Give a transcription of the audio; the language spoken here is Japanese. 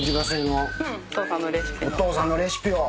お父さんのレシピを。